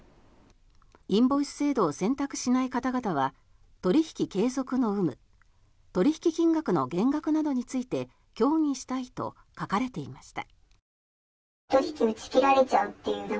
インボイス制度を選択しない方々は取引継続の有無取引金額の減額などについて協議したいと書かれていました。